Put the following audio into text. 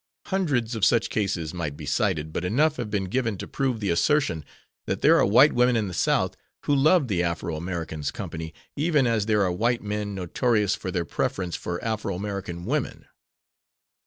Hundreds of such cases might be cited, but enough have been given to prove the assertion that there are white women in the South who love the Afro American's company even as there are white men notorious for their preference for Afro American women.